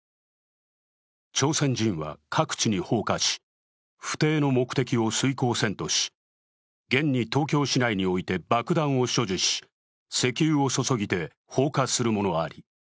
朝鮮人は各地に放火し、不逞の目的を遂行せんとし、現に東京市内において爆弾を所持し石油を注ぎて放火する者あり。